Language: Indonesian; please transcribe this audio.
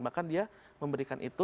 bahkan dia memberikan itu